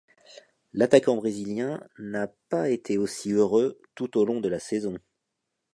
L'attaquant brésilien n'a pas été aussi heureux tout au long de la saison.